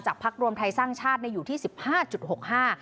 พักรวมไทยสร้างชาติเนี่ยอยู่ที่สิบห้าจุดหกห้า